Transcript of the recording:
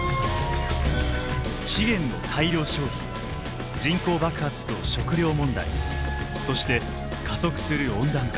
資源の大量消費人口爆発と食糧問題そして加速する温暖化。